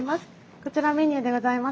こちらメニューでございます。